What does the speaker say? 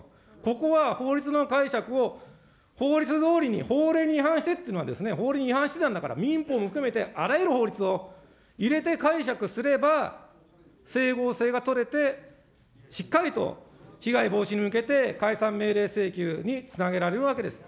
ここは法律の解釈を、法律どおりに、法令に違反してというのはですね、法令に違反していたんだから民法も含めてあらゆる法律を入れて解釈すれば、整合性が取れてしっかりと被害防止に向けて、解散命令請求につなげられるわけです。